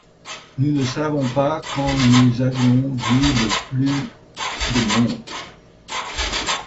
Nous ne savons pas quand nous avions vu le plus de monde.